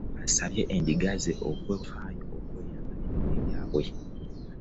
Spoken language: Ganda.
Asabye Endiga ze okufaayo okwenenya ebibi byabwe.